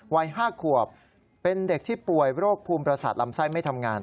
วัย๕ขวบเป็นเด็กที่ป่วยโรคภูมิประสาทลำไส้ไม่ทำงาน